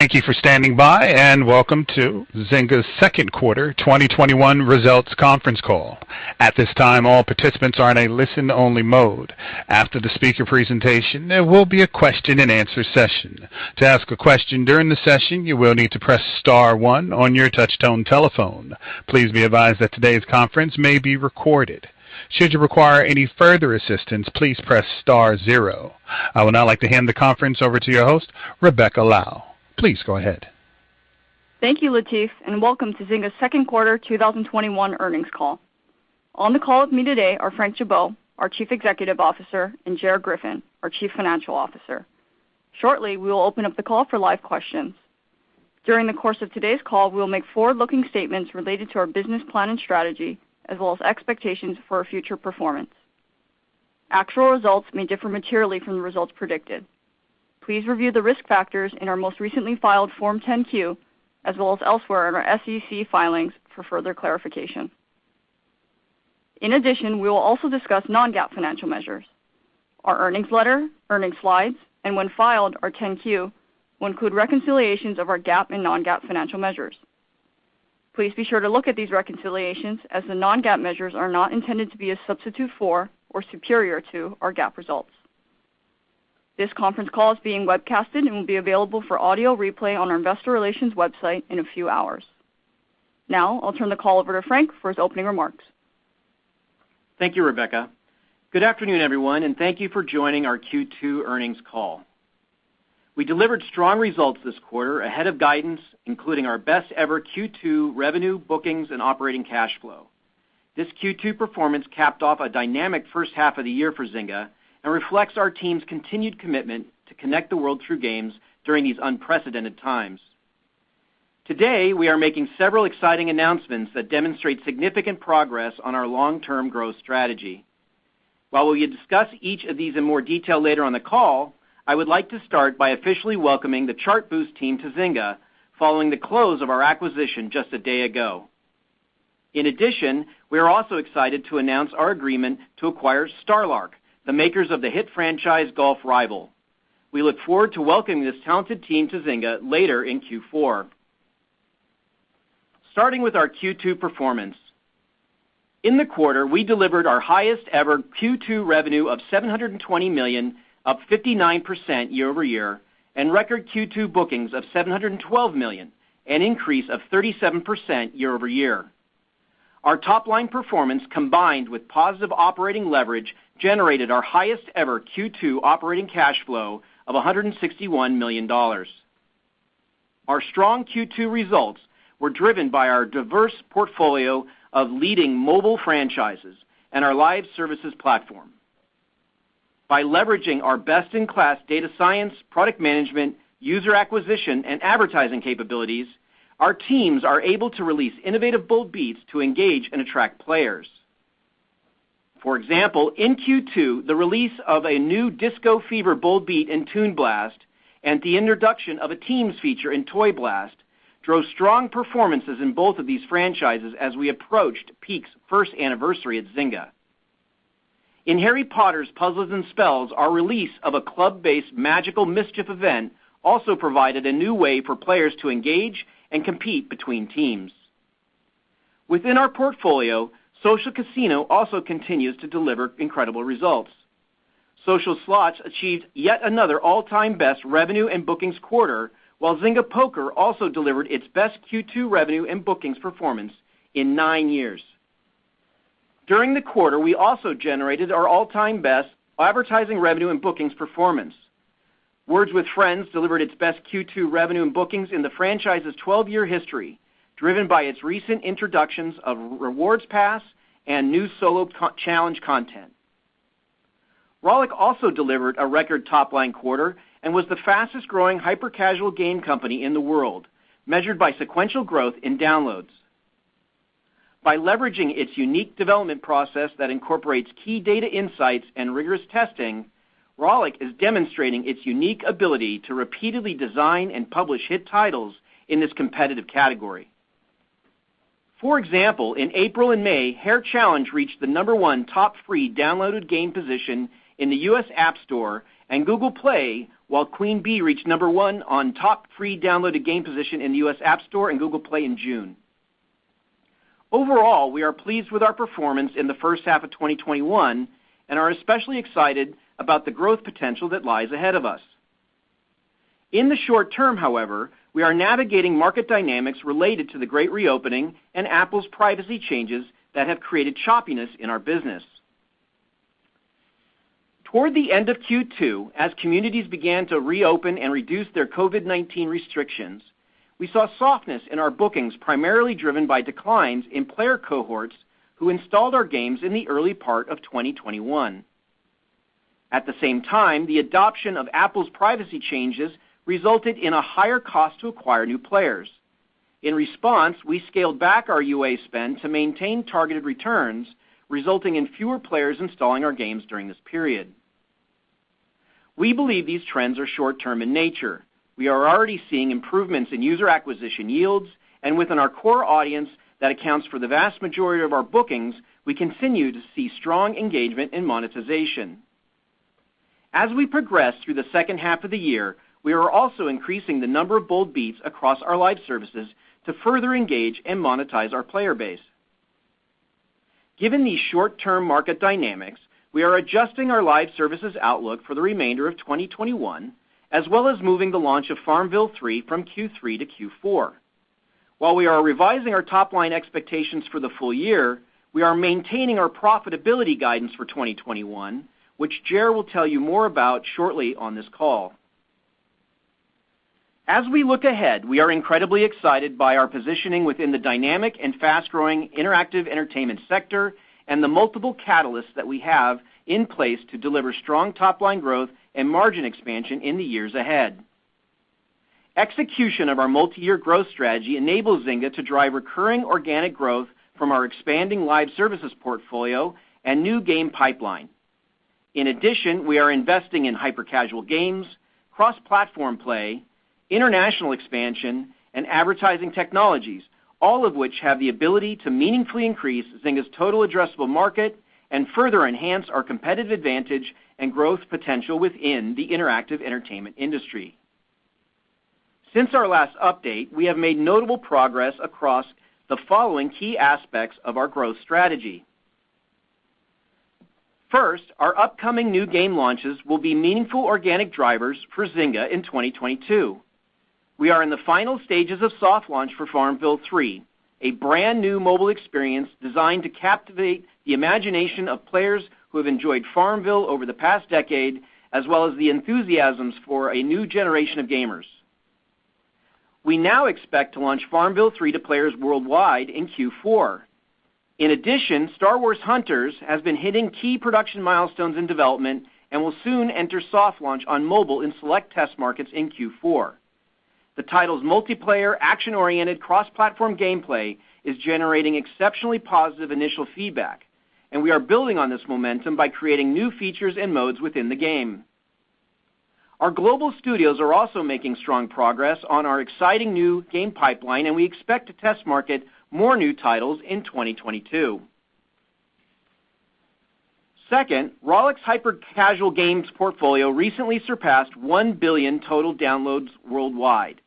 Thank you for standing by, and welcome to Zynga's second quarter 2021 results conference call. At this time, all participants are in a listen-only mode. After the speaker presentation, there will be a question and answer session. To ask a question during the session, you will need to press star one on your touch-tone telephone. Please be advised that today's conference may be recorded. Should you require any further assistance, please press star zero. I would now like to hand the conference over to your host, Rebecca Lau. Please go ahead. Thank you, Lateef, and welcome to Zynga's second quarter 2021 earnings call. On the call with me today are Frank Gibeau, our Chief Executive Officer, and Gerard Griffin, our Chief Financial Officer. Shortly, we will open up the call for live questions. During the course of today's call, we will make forward-looking statements related to our business plan and strategy, as well as expectations for our future performance. Actual results may differ materially from the results predicted. Please review the risk factors in our most recently filed Form 10-Q, as well as elsewhere in our SEC filings for further clarification. In addition, we will also discuss non-GAAP financial measures. Our earnings letter, earnings slides, and when filed, our 10-Q, will include reconciliations of our GAAP and non-GAAP financial measures. Please be sure to look at these reconciliations, as the non-GAAP measures are not intended to be a substitute for or superior to our GAAP results. This conference call is being webcasted and will be available for audio replay on our investor relations website in a few hours. I'll turn the call over to Frank for his opening remarks. Thank you, Rebecca. Good afternoon, everyone, thank you for joining our Q2 earnings call. We delivered strong results this quarter ahead of guidance, including our best ever Q2 revenue, bookings, and operating cash flow. This Q2 performance capped off a dynamic first half of the year for Zynga and reflects our team's continued commitment to connect the world through games during these unprecedented times. Today, we are making several exciting announcements that demonstrate significant progress on our long-term growth strategy. While we will discuss each of these in more detail later on the call, I would like to start by officially welcoming the Chartboost team to Zynga following the close of our acquisition just a day ago. In addition, we are also excited to announce our agreement to acquire StarLark, the makers of the hit franchise Golf Rival. We look forward to welcoming this talented team to Zynga later in Q4. Starting with our Q2 performance. In the quarter, we delivered our highest-ever Q2 revenue of $720 million, up 59% year-over-year, and record Q2 bookings of $712 million, an increase of 37% year-over-year. Our top-line performance, combined with positive operating leverage, generated our highest-ever Q2 operating cash flow of $161 million. Our strong Q2 results were driven by our diverse portfolio of leading mobile franchises and our live services platform. By leveraging our best-in-class data science, product management, user acquisition, and advertising capabilities, our teams are able to release innovative Bold Beats to engage and attract players. For example, in Q2, the release of a new Disco Fever Bold Beat in Toon Blast and the introduction of a teams feature in Toy Blast drove strong performances in both of these franchises as we approached Peak's first anniversary at Zynga. In Harry Potter: Puzzles & Spells, our release of a club-based magical mischief event also provided a new way for players to engage and compete between teams. Within our portfolio, Social Casino also continues to deliver incredible results. Social Slots achieved yet another all-time best revenue and bookings quarter, while Zynga Poker also delivered its best Q2 revenue and bookings performance in nine years. During the quarter, we also generated our all-time best advertising revenue and bookings performance. Words With Friends delivered its best Q2 revenue and bookings in the franchise's 12 year history, driven by its recent introductions of Rewards Pass and new solo challenge content. Rollic also delivered a record top-line quarter and was the fastest-growing hyper-casual game company in the world, measured by sequential growth in downloads. By leveraging its unique development process that incorporates key data insights and rigorous testing, Rollic is demonstrating its unique ability to repeatedly design and publish hit titles in this competitive category. In April and May, Hair Challenge reached the number one top free downloaded game position in the U.S. App Store and Google Play, while Queen Bee! reached number one on top free downloaded game position in the U.S. App Store and Google Play in June. We are pleased with our performance in the first half of 2021 and are especially excited about the growth potential that lies ahead of us. In the short term, however, we are navigating market dynamics related to the great reopening and Apple's privacy changes that have created choppiness in our business. Toward the end of Q2, as communities began to reopen and reduce their COVID-19 restrictions, we saw softness in our bookings, primarily driven by declines in player cohorts who installed our games in the early part of 2021. At the same time, the adoption of Apple's privacy changes resulted in a higher cost to acquire new players. In response, we scaled back our UA spend to maintain targeted returns, resulting in fewer players installing our games during this period. We believe these trends are short-term in nature. We are already seeing improvements in user acquisition yields, and within our core audience that accounts for the vast majority of our bookings, we continue to see strong engagement and monetization. As we progress through the second half of the year, we are also increasing the number of Bold Beats across our live services to further engage and monetize our player base. Given these short-term market dynamics, we are adjusting our live services outlook for the remainder of 2021, as well as moving the launch of FarmVille 3 from Q3 to Q4. While we are revising our top-line expectations for the full year, we are maintaining our profitability guidance for 2021, which Gerard will tell you more about shortly on this call. As we look ahead, we are incredibly excited by our positioning within the dynamic and fast-growing interactive entertainment sector and the multiple catalysts that we have in place to deliver strong top-line growth and margin expansion in the years ahead. Execution of our multi-year growth strategy enables Zynga to drive recurring organic growth from our expanding live services portfolio and new game pipeline. In addition, we are investing in hyper-casual games, cross-platform play, international expansion, and advertising technologies, all of which have the ability to meaningfully increase Zynga's total addressable market and further enhance our competitive advantage and growth potential within the interactive entertainment industry. Since our last update, we have made notable progress across the following key aspects of our growth strategy. First, our upcoming new game launches will be meaningful organic drivers for Zynga in 2022. We are in the final stages of soft launch for FarmVille three, a brand-new mobile experience designed to captivate the imagination of players who have enjoyed FarmVille over the past decade, as well as the enthusiasms for a new generation of gamers. We now expect to launch FarmVille three to players worldwide in Q4. Star Wars: Hunters has been hitting key production milestones in development and will soon enter soft launch on mobile in select test markets in Q4. The title's multiplayer, action-oriented, cross-platform gameplay is generating exceptionally positive initial feedback, and we are building on this momentum by creating new features and modes within the game. Our global studios are also making strong progress on our exciting new game pipeline, and we expect to test market more new titles in 2022. Rollic's Hyper Casual Games portfolio recently surpassed one billion total downloads worldwide.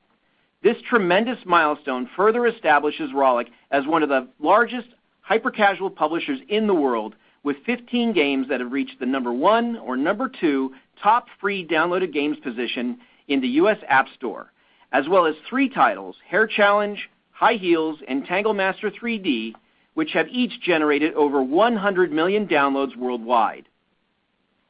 This tremendous milestone further establishes Rollic as one of the largest hyper-casual publishers in the world, with 15 games that have reached the number one or number two top free downloaded games position in the U.S. App Store, as well as three titles, Hair Challenge, High Heels!, and Tangle Master 3D, which have each generated over 100 million downloads worldwide.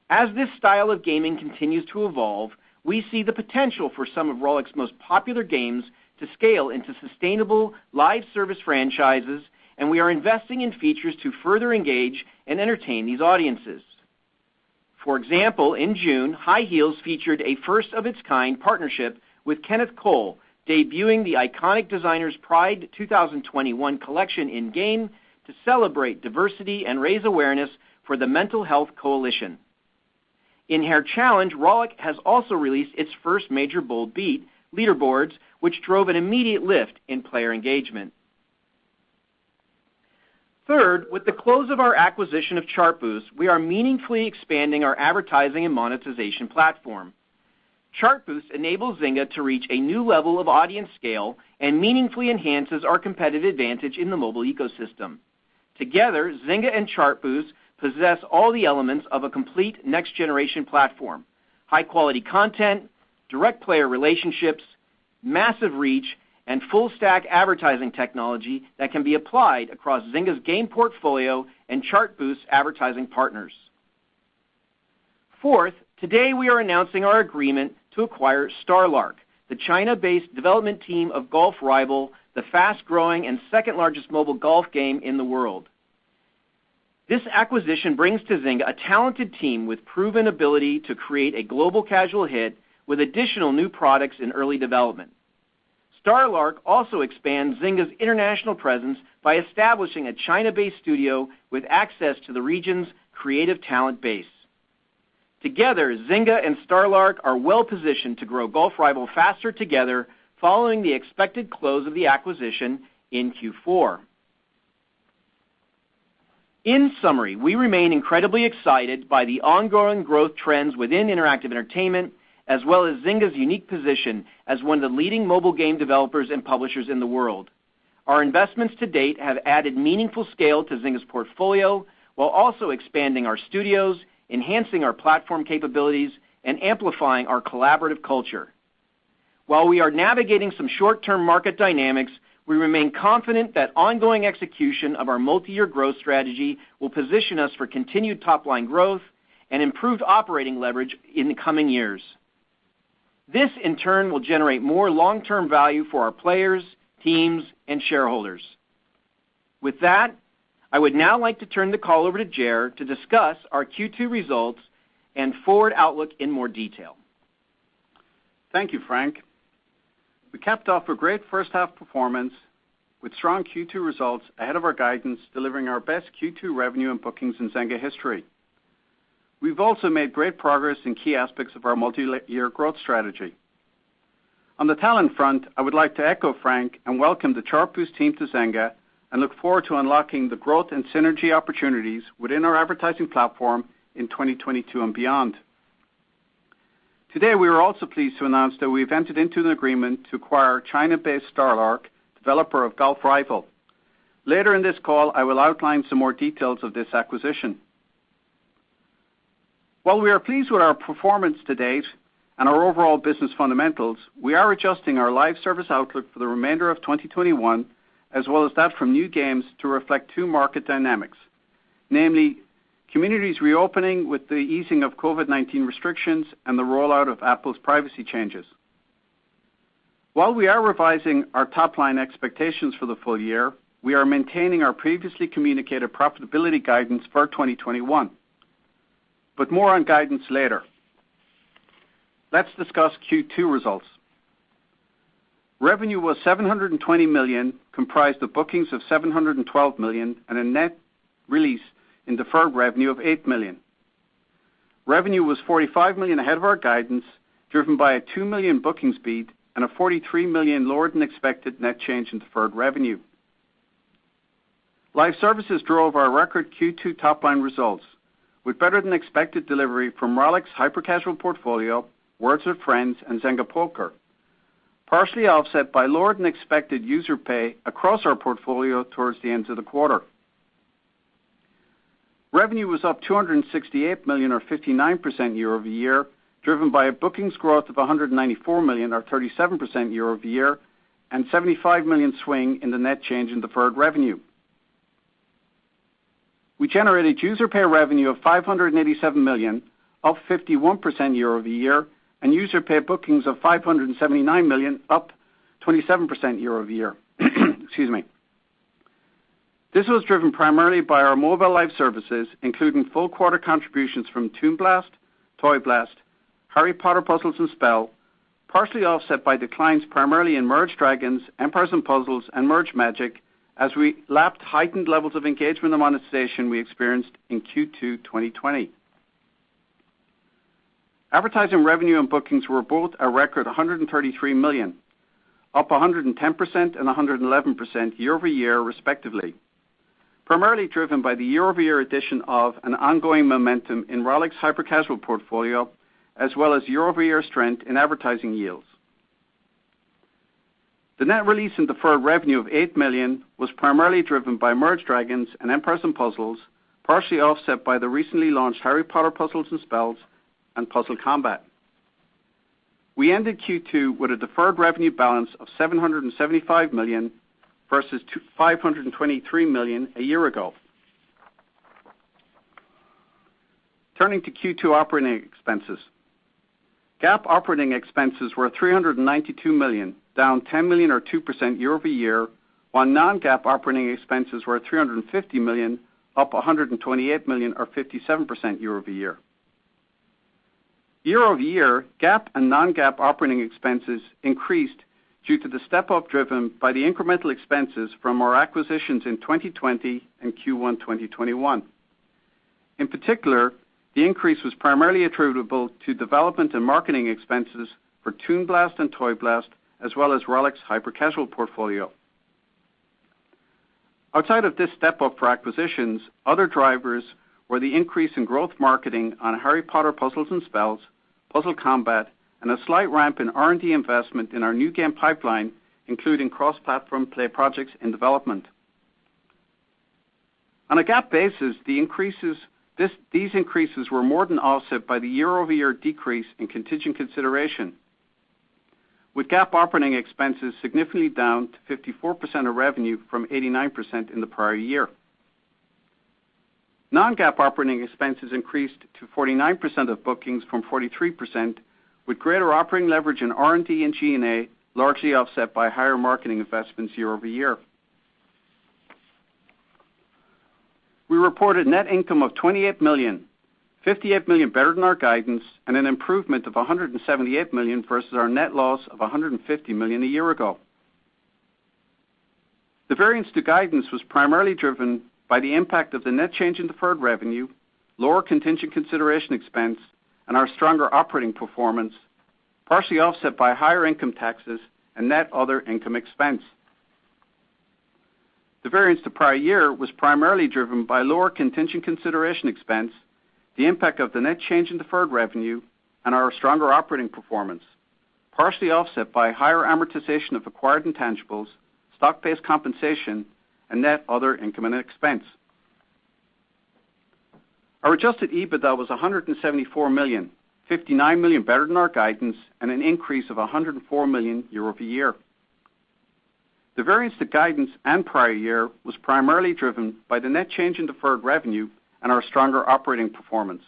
As this style of gaming continues to evolve, we see the potential for some of Rollic's most popular games to scale into sustainable live service franchises, and we are investing in features to further engage and entertain these audiences. For example, in June, High Heels! featured a first-of-its-kind partnership with Kenneth Cole, debuting the iconic designer's Pride 2021 collection in-game to celebrate diversity and raise awareness for The Mental Health Coalition. In Hair Challenge, Rollic has also released its first major Bold Beat, leaderboards, which drove an immediate lift in player engagement. Third, with the close of our acquisition of Chartboost, we are meaningfully expanding our advertising and monetization platform. Chartboost enables Zynga to reach a new level of audience scale and meaningfully enhances our competitive advantage in the mobile ecosystem. Together, Zynga and Chartboost possess all the elements of a complete next-generation platform: high-quality content, direct player relationships, massive reach, and full-stack advertising technology that can be applied across Zynga's game portfolio and Chartboost's advertising partners. Fourth, today we are announcing our agreement to acquire StarLark, the China-based development team of Golf Rival, the fast-growing and second-largest mobile golf game in the world. This acquisition brings to Zynga a talented team with proven ability to create a global casual hit with additional new products in early development. StarLark also expands Zynga's international presence by establishing a China-based studio with access to the region's creative talent base. Together, Zynga and StarLark are well positioned to grow Golf Rival faster together following the expected close of the acquisition in Q4. In summary, we remain incredibly excited by the ongoing growth trends within interactive entertainment, as well as Zynga's unique position as one of the leading mobile game developers and publishers in the world. Our investments to date have added meaningful scale to Zynga's portfolio while also expanding our studios, enhancing our platform capabilities, and amplifying our collaborative culture. While we are navigating some short-term market dynamics, we remain confident that ongoing execution of our multi-year growth strategy will position us for continued top-line growth and improved operating leverage in the coming years. This, in turn, will generate more long-term value for our players, teams, and shareholders. With that, I would now like to turn the call over to Gerard to discuss our Q2 results and forward outlook in more detail. Thank you, Frank. We capped off a great first-half performance with strong Q2 results ahead of our guidance, delivering our best Q2 revenue and bookings in Zynga history. We've also made great progress in key aspects of our multi-year growth strategy. On the talent front, I would like to echo Frank and welcome the Chartboost team to Zynga, and look forward to unlocking the growth and synergy opportunities within our advertising platform in 2022 and beyond. Today, we are also pleased to announce that we've entered into an agreement to acquire China-based StarLark, developer of Golf Rival. Later in this call, I will outline some more details of this acquisition. While we are pleased with our performance to date and our overall business fundamentals, we are adjusting our live service outlook for the remainder of 2021, as well as that from new games to reflect two market dynamics. Communities reopening with the easing of COVID-19 restrictions and the rollout of Apple's privacy changes. We are revising our top-line expectations for the full year, we are maintaining our previously communicated profitability guidance for 2021. More on guidance later. Let's discuss Q2 results. Revenue was $720 million, comprised of bookings of $712 million and a net release in deferred revenue of $8 million. Revenue was $45 million ahead of our guidance, driven by a $2 million bookings beat and a $43 million lower-than-expected net change in deferred revenue. Live services drove our record Q2 top-line results, with better-than-expected delivery from Rollic's hyper-casual portfolio, Words With Friends, and Zynga Poker, partially offset by lower-than-expected user pay across our portfolio towards the end of the quarter. Revenue was up $268 million or 59% year-over-year, driven by a bookings growth of $194 million or 37% year-over-year, and $75 million swing in the net change in deferred revenue. We generated user-pay revenue of $587 million, up 51% year-over-year, and user-pay bookings of $579 million up 27% year-over-year. Excuse me. This was driven primarily by our mobile live services, including full quarter contributions from Toon Blast, Toy Blast, Harry Potter: Puzzles & Spells, partially offset by declines primarily in Merge Dragons!, Empires & Puzzles, and Merge Magic! as we lapped heightened levels of engagement and monetization we experienced in Q2 2020. Advertising revenue and bookings were both a record $133 million, up 110% and 111% year-over-year respectively, primarily driven by the year-over-year addition of an ongoing momentum in Rollic's hyper-casual portfolio, as well as year-over-year strength in advertising yields. The net release in deferred revenue of $8 million was primarily driven by Merge Dragons! and Empires & Puzzles, partially offset by the recently launched Harry Potter: Puzzles & Spells and Puzzle Combat. We ended Q2 with a deferred revenue balance of $775 million versus $523 million a year ago. Turning to Q2 operating expenses. GAAP operating expenses were $392 million, down $10 million or 2% year-over-year, while non-GAAP operating expenses were $350 million, up $128 million or 57% year-over-year. Year-over-year, GAAP and non-GAAP operating expenses increased due to the step-up driven by the incremental expenses from our acquisitions in 2020 and Q1 2021. In particular, the increase was primarily attributable to development and marketing expenses for Toon Blast and Toy Blast, as well as Rollic's hyper-casual portfolio. Outside of this step-up for acquisitions, other drivers were the increase in growth marketing on Harry Potter: Puzzles & Spells, Puzzle Combat, and a slight ramp in R&D investment in our new game pipeline, including cross-platform play projects in development. On a GAAP basis, these increases were more than offset by the year-over-year decrease in contingent consideration, with GAAP operating expenses significantly down to 54% of revenue from 89% in the prior year. Non-GAAP operating expenses increased to 49% of bookings from 43%, with greater operating leverage in R&D and G&A, largely offset by higher marketing investments year-over-year. We reported net income of $28 million, $58 million better than our guidance, and an improvement of $178 million versus our net loss of $150 million a year ago. The variance to guidance was primarily driven by the impact of the net change in deferred revenue, lower contingent consideration expense, and our stronger operating performance, partially offset by higher income taxes and net other income expense. The variance to prior year was primarily driven by lower contingent consideration expense, the impact of the net change in deferred revenue, and our stronger operating performance, partially offset by higher amortization of acquired intangibles, stock-based compensation, and net other income and expense. Our adjusted EBITDA was $174 million, $59 million better than our guidance, and an increase of $104 million year-over-year. The variance to guidance and prior year was primarily driven by the net change in deferred revenue and our stronger operating performance.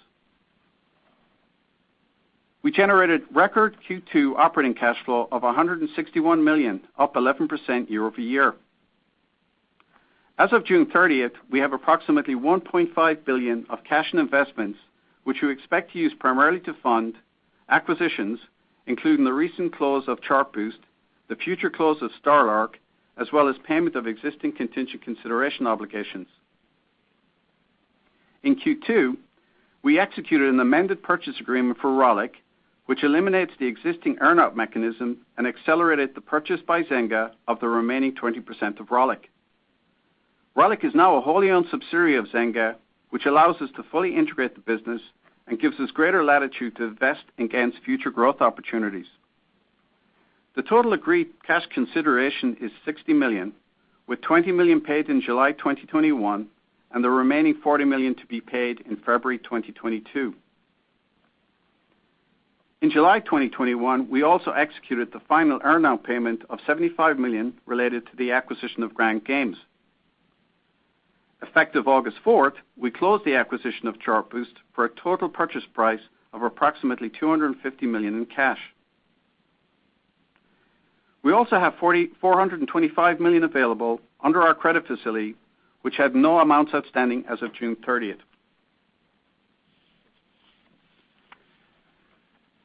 We generated record Q2 operating cash flow of $161 million, up 11% year-over-year. As of June 30th, we have approximately $1.5 billion of cash and investments, which we expect to use primarily to fund acquisitions, including the recent close of Chartboost, the future close of StarLark, as well as payment of existing contingent consideration obligations. In Q2, we executed an amended purchase agreement for Rollic, which eliminates the existing earn-out mechanism and accelerated the purchase by Zynga of the remaining 20% of Rollic. Rollic is now a wholly owned subsidiary of Zynga, which allows us to fully integrate the business and gives us greater latitude to invest against future growth opportunities. The total agreed cash consideration is $60 million, with $20 million paid in July 2021, and the remaining $40 million to be paid in February 2022. In July 2021, we also executed the final earn-out payment of $75 million related to the acquisition of Gram Games. Effective August 4th, we closed the acquisition of Chartboost for a total purchase price of approximately $250 million in cash. We also have $425 million available under our credit facility, which had no amounts outstanding as of June 30th.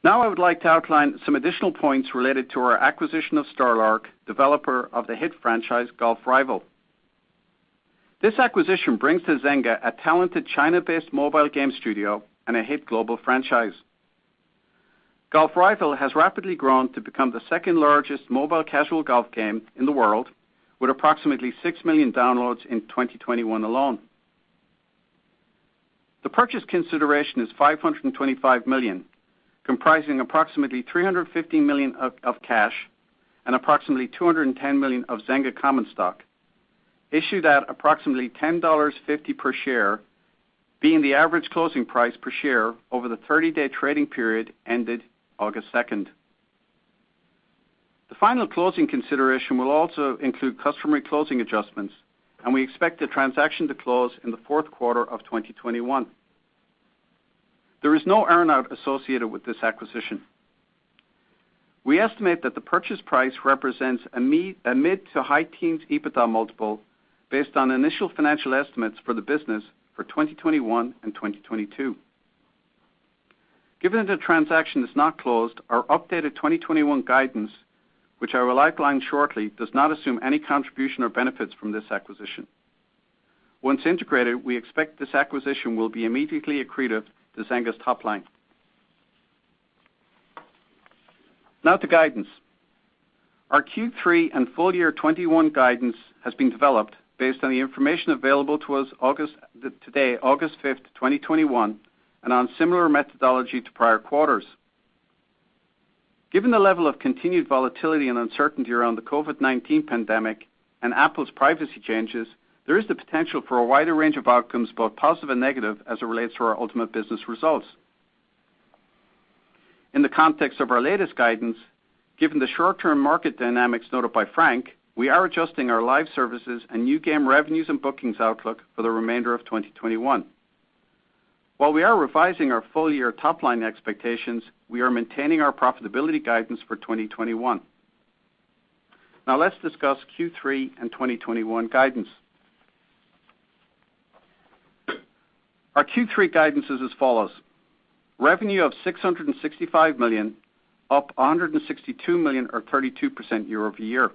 Now I would like to outline some additional points related to our acquisition of StarLark, developer of the hit franchise Golf Rival. This acquisition brings to Zynga a talented China-based mobile game studio and a hit global franchise. Golf Rival has rapidly grown to become the second-largest mobile casual golf game in the world, with approximately six million downloads in 2021 alone. The purchase consideration is $525 million, comprising approximately $350 million of cash and approximately $210 million of Zynga common stock, issued at approximately $10.50 per share, being the average closing price per share over the 30-day trading period ended August 2nd. The final closing consideration will also include customary closing adjustments, and we expect the transaction to close in the fourth quarter of 2021. There is no earn-out associated with this acquisition. We estimate that the purchase price represents a mid to high teens EBITDA multiple based on initial financial estimates for the business for 2021 and 2022. Given that the transaction is not closed, our updated 2021 guidance, which I will outline shortly, does not assume any contribution or benefits from this acquisition. Once integrated, we expect this acquisition will be immediately accretive to Zynga's top line. Now to guidance. Our Q3 and full-year 2021 guidance has been developed based on the information available to us today, August 5th, 2021, and on similar methodology to prior quarters. Given the level of continued volatility and uncertainty around the COVID-19 pandemic and Apple's privacy changes, there is the potential for a wider range of outcomes, both positive and negative, as it relates to our ultimate business results. In the context of our latest guidance, given the short-term market dynamics noted by Frank, we are adjusting our live services and new game revenues and bookings outlook for the remainder of 2021. While we are revising our full-year top-line expectations, we are maintaining our profitability guidance for 2021. Let's discuss Q3 and 2021 guidance. Our Q3 guidance is as follows: revenue of $665 million, up $162 million or 32% year-over-year.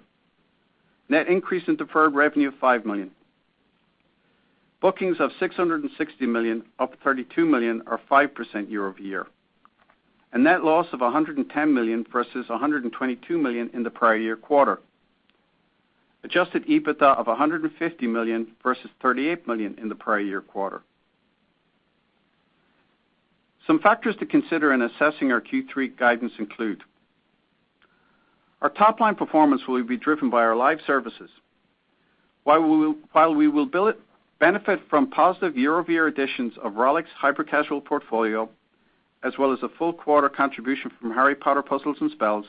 Net increase in deferred revenue of $5 million. Bookings of $660 million, up $32 million or 5% year-over-year. A net loss of $110 million versus $122 million in the prior year quarter. Adjusted EBITDA of $150 million versus $38 million in the prior year quarter. Some factors to consider in assessing our Q3 guidance include: our top-line performance will be driven by our live services. While we will benefit from positive year-over-year additions of Rollic's hyper-casual portfolio, as well as a full quarter contribution from Harry Potter: Puzzles & Spells,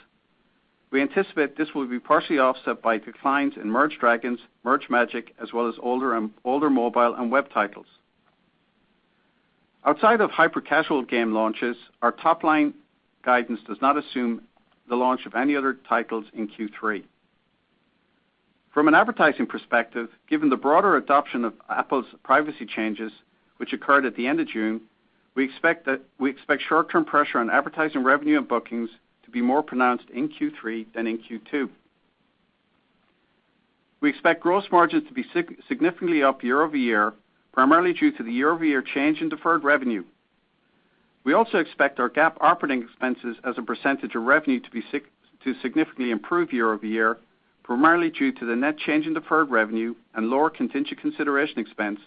we anticipate this will be partially offset by declines in Merge Dragons!, Merge Magic!, as well as older mobile and web titles. Outside of hyper-casual game launches, our top-line guidance does not assume the launch of any other titles in Q3. From an advertising perspective, given the broader adoption of Apple's privacy changes, which occurred at the end of June, we expect short-term pressure on advertising revenue and bookings to be more pronounced in Q3 than in Q2. We expect gross margins to be significantly up year-over-year, primarily due to the year-over-year change in deferred revenue. We also expect our GAAP operating expenses as a percentage of revenue to significantly improve year-over-year, primarily due to the net change in deferred revenue and lower contingent consideration expense,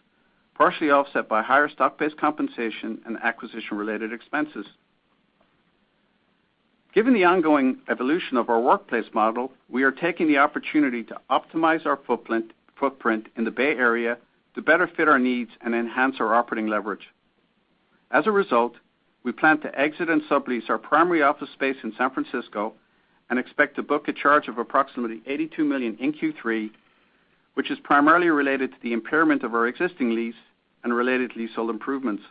partially offset by higher stock-based compensation and acquisition-related expenses. Given the ongoing evolution of our workplace model, we are taking the opportunity to optimize our footprint in the Bay Area to better fit our needs and enhance our operating leverage. As a result, we plan to exit and sublease our primary office space in San Francisco and expect to book a charge of approximately $82 million in Q3, which is primarily related to the impairment of our existing lease and related leasehold improvements.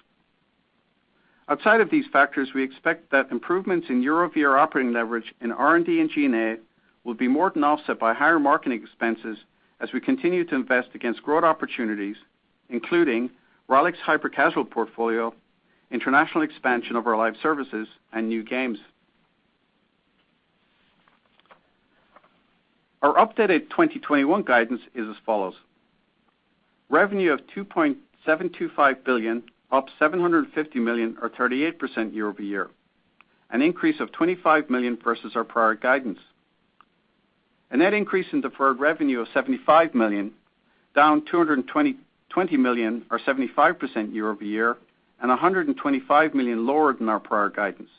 Outside of these factors, we expect that improvements in year-over-year operating leverage in R&D and G&A will be more than offset by higher marketing expenses as we continue to invest against growth opportunities, including Rollic's hyper-casual portfolio, international expansion of our live services, and new games. Our updated 2021 guidance is as follows. Revenue of $2.725 billion, up $750 million or 38% year-over-year, an increase of $25 million versus our prior guidance. A net increase in deferred revenue of $75 million, down $220 million or 75% year-over-year, and $125 million lower than our prior guidance.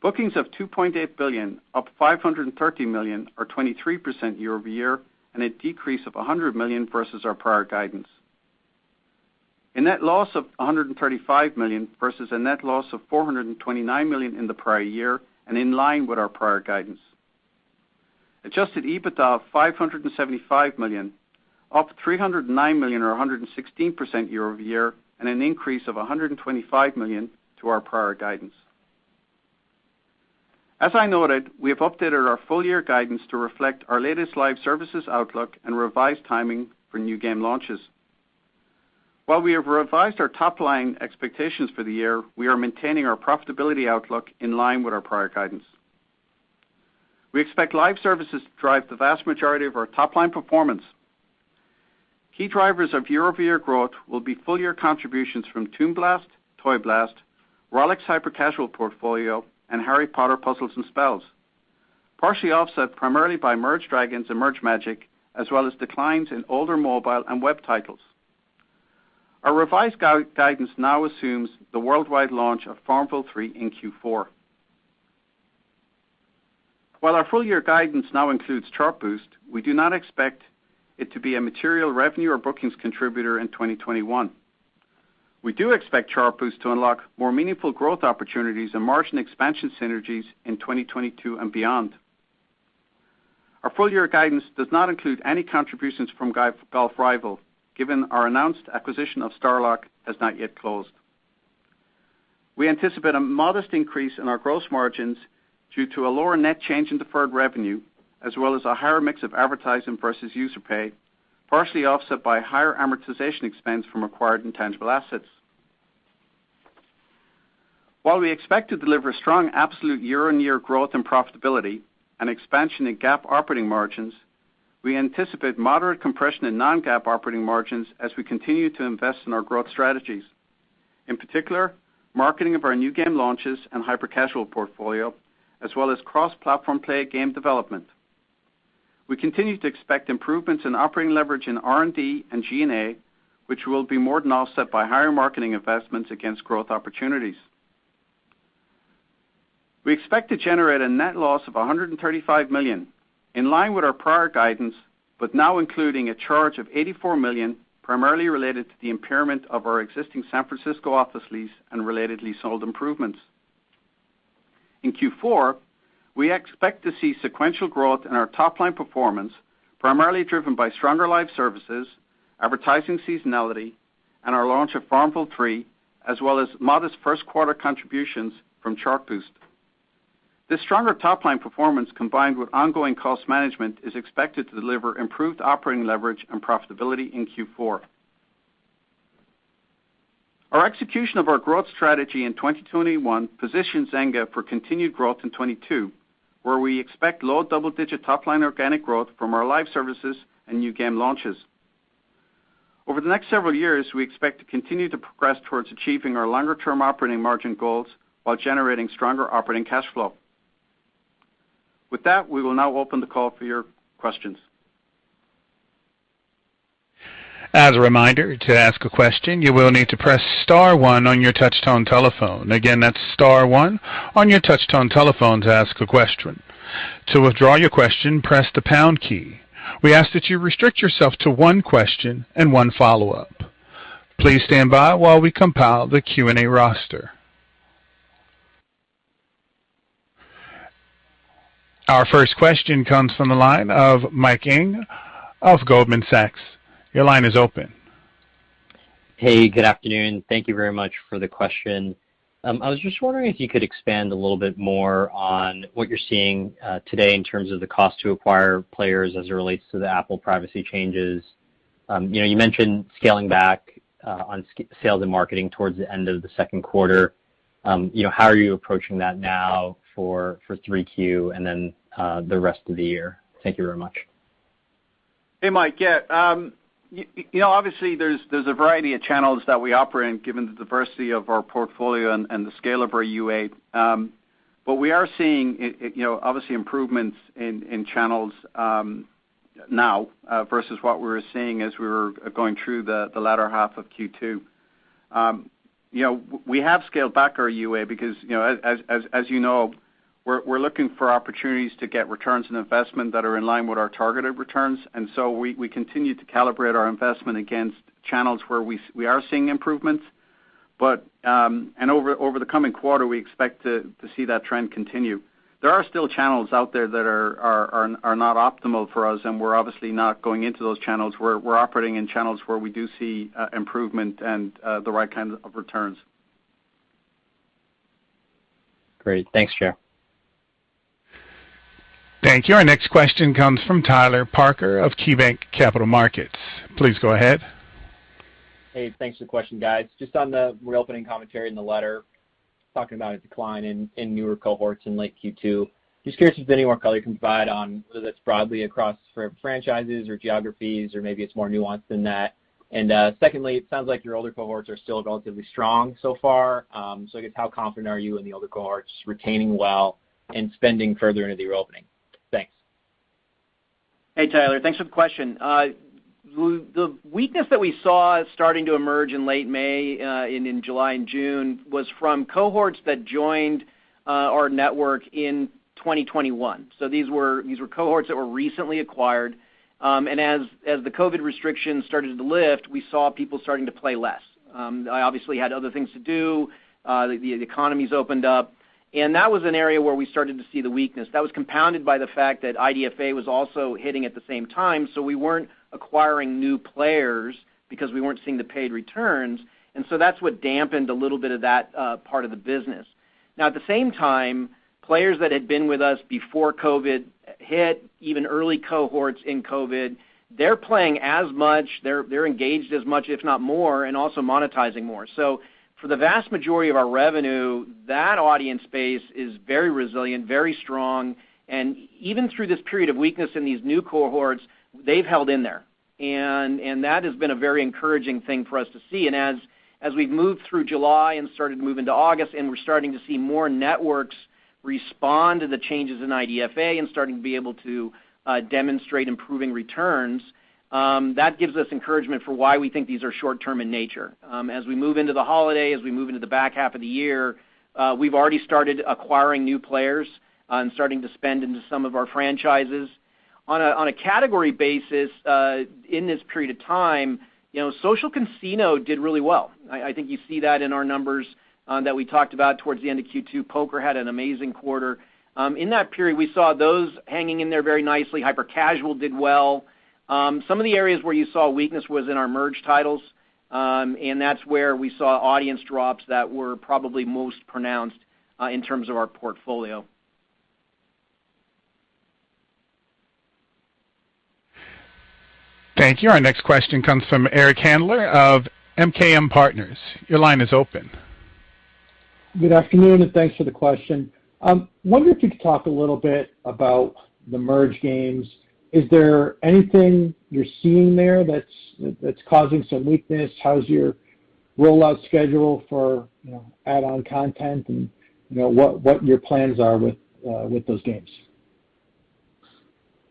Bookings of $2.8 billion, up $530 million or 23% year-over-year, and a decrease of $100 million versus our prior guidance. A net loss of $135 million versus a net loss of $429 million in the prior year and in line with our prior guidance. Adjusted EBITDA of $575 million, up $309 million or 116% year-over-year, and an increase of $125 million to our prior guidance. As I noted, we have updated our full year guidance to reflect our latest live services outlook and revised timing for new game launches. While we have revised our top-line expectations for the year, we are maintaining our profitability outlook in line with our prior guidance. We expect live services to drive the vast majority of our top-line performance. Key drivers of year-over-year growth will be full year contributions from Toon Blast, Toy Blast, Rollic's hyper-casual portfolio, and Harry Potter: Puzzles & Spells, partially offset primarily by Merge Dragons! and Merge Magic!, as well as declines in older mobile and web titles. Our revised guidance now assumes the worldwide launch of FarmVille 3 in Q4. While our full year guidance now includes Chartboost, we do not expect it to be a material revenue or bookings contributor in 2021. We do expect Chartboost to unlock more meaningful growth opportunities and margin expansion synergies in 2022 and beyond. Our full year guidance does not include any contributions from Golf Rival, given our announced acquisition of StarLark has not yet closed. We anticipate a modest increase in our gross margins due to a lower net change in deferred revenue, as well as a higher mix of advertising versus user pay, partially offset by higher amortization expense from acquired intangible assets. While we expect to deliver strong absolute year-on-year growth and profitability and expansion in GAAP operating margins, we anticipate moderate compression in non-GAAP operating margins as we continue to invest in our growth strategies, in particular, marketing of our new game launches and hyper-casual portfolio, as well as cross-platform play game development. We continue to expect improvements in operating leverage in R&D and G&A, which will be more than offset by higher marketing investments against growth opportunities. We expect to generate a net loss of $135 million, in line with our prior guidance, but now including a charge of $84 million, primarily related to the impairment of our existing San Francisco office lease and relatedly sold improvements. In Q4, we expect to see sequential growth in our top-line performance, primarily driven by stronger live services, advertising seasonality, and our launch of FarmVille three, as well as modest first quarter contributions from Chartboost. This stronger top-line performance, combined with ongoing cost management, is expected to deliver improved operating leverage and profitability in Q4. Our execution of our growth strategy in 2021 positions Zynga for continued growth in 2022, where we expect low double-digit top-line organic growth from our live services and new game launches. Over the next several years, we expect to continue to progress towards achieving our longer-term operating margin goals while generating stronger operating cash flow. With that, we will now open the call for your questions. As a reminder, to ask a question, you will need to press star 1 on your touch-tone telephone. Again, that's star 1 on your touch-tone telephone to ask a question. To withdraw your question, press the pound key. We ask that you restrict yourself to 1 question and 1 follow-up. Please stand by while we compile the Q&A roster. Our first question comes from the line of Mike Ng of Goldman Sachs. Your line is open. Hey, good afternoon. Thank you very much for the question. I was just wondering if you could expand a little bit more on what you're seeing today in terms of the cost to acquire players as it relates to the Apple privacy changes. You mentioned scaling back on sales and marketing towards the end of the second quarter. How are you approaching that now for 3Q and then the rest of the year? Thank you very much. Hey, Mike. Obviously, there's a variety of channels that we operate in given the diversity of our portfolio and the scale of our UA. We are seeing obviously improvements in channels now versus what we were seeing as we were going through the latter half of Q2. We have scaled back our UA because, as you know, we're looking for opportunities to get returns on investment that are in line with our targeted returns. We continue to calibrate our investment against channels where we are seeing improvements. Over the coming quarter, we expect to see that trend continue. There are still channels out there that are not optimal for us, and we're obviously not going into those channels. We're operating in channels where we do see improvement and the right kinds of returns. Great. Thanks, Frank. Thank you. Our next question comes from Tyler Parker of KeyBanc Capital Markets. Please go ahead Hey, thanks for the question, guys. Just on the reopening commentary in the letter, talking about a decline in newer cohorts in late Q2. Just curious if there's any more color you can provide on whether that's broadly across for franchises or geographies or maybe it's more nuanced than that. Secondly, it sounds like your older cohorts are still relatively strong so far. I guess how confident are you in the older cohorts retaining well and spending further into the reopening? Thanks. Hey, Tyler. Thanks for the question. The weakness that we saw starting to emerge in late May and in July and June was from cohorts that joined our network in 2021. These were cohorts that were recently acquired. As the COVID restrictions started to lift, we saw people starting to play less. Obviously had other things to do, the economy's opened up. That was an area where we started to see the weakness. That was compounded by the fact that IDFA was also hitting at the same time, so we weren't acquiring new players because we weren't seeing the paid returns. That's what dampened a little bit of that part of the business. At the same time, players that had been with us before COVID hit, even early cohorts in COVID, they're playing as much, they're engaged as much, if not more, and also monetizing more. For the vast majority of our revenue, that audience base is very resilient, very strong, and even through this period of weakness in these new cohorts, they've held in there. That has been a very encouraging thing for us to see. As we've moved through July and started to move into August, and we're starting to see more networks respond to the changes in IDFA and starting to be able to demonstrate improving returns, that gives us encouragement for why we think these are short term in nature. As we move into the holiday, as we move into the back half of the year, we've already started acquiring new players and starting to spend into some of our franchises. On a category basis, in this period of time, Social Casino did really well. I think you see that in our numbers that we talked about towards the end of Q2. Poker had an amazing quarter. In that period, we saw those hanging in there very nicely. Hyper-casual did well. That's where we saw weakness was in our merge titles, and that's where we saw audience drops that were probably most pronounced in terms of our portfolio. Thank you. Our next question comes from Eric Handler of MKM Partners. Your line is open. Good afternoon, thanks for the question. Wonder if you could talk a little bit about the merge games. Is there anything you're seeing there that's causing some weakness? How's your rollout schedule for add-on content and what your plans are with those games?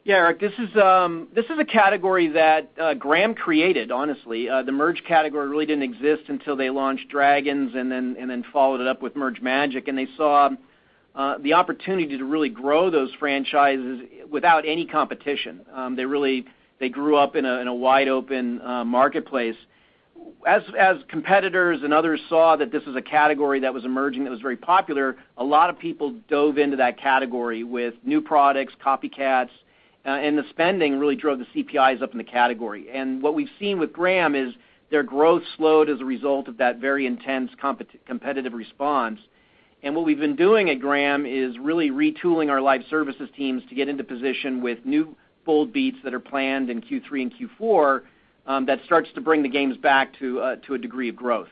Yeah, Eric, this is a category that Gram created, honestly. The merge category really didn't exist until they launched Dragons and then followed it up with Merge Magic!. They saw the opportunity to really grow those franchises without any competition. They grew up in a wide-open marketplace. As competitors and others saw that this was a category that was emerging that was very popular, a lot of people dove into that category with new products, copycats, and the spending really drove the CPIs up in the category. What we've seen with Gram is their growth slowed as a result of that very intense competitive response. What we've been doing at Gram is really retooling our live services teams to get into position with new Bold Beats that are planned in Q3 and Q4 that starts to bring the games back to a degree of growth.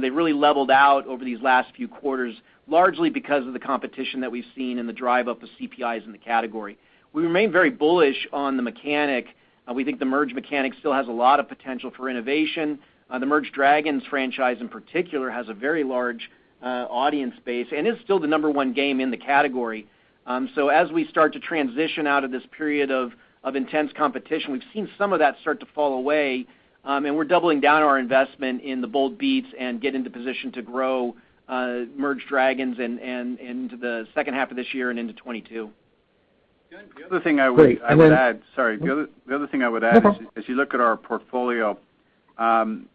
They really leveled out over these last few quarters, largely because of the competition that we've seen and the drive up of CPIs in the category. We remain very bullish on the mechanic. We think the merge mechanic still has a lot of potential for innovation. The Merge Dragons! franchise in particular has a very large audience base and is still the number one game in the category. As we start to transition out of this period of intense competition, we've seen some of that start to fall away, and we're doubling down our investment in the Bold Beats and getting into position to grow Merge Dragons! into the second half of this year and into 2022. Great. Sorry. The other thing I would add. No problem. If you look at our portfolio, one